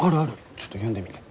ちょっと読んでみて。